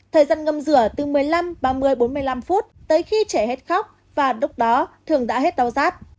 thời gian ngâm rửa từ một mươi năm ba mươi bốn mươi năm phút tới khi trẻ hết khóc và lúc đó thường đã hết đau rát